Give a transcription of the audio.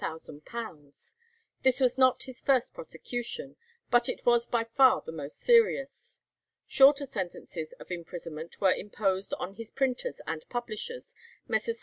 This was not his first prosecution, but it was by far the most serious. Shorter sentences of imprisonment were imposed on his printers and publishers, Messrs.